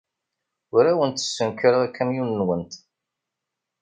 Ur awent-ssenkareɣ akamyun-nwent.